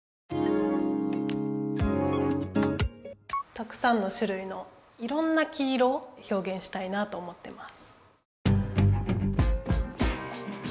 たくさんのしゅるいのいろんな黄色ひょうげんしたいなと思ってます。